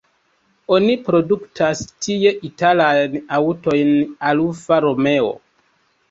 Oni produktas tie italajn aŭtojn Alfa Romeo.